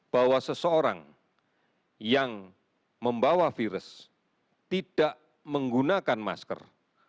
bahwa seseorang yang membawa virus tidak menggunakan masker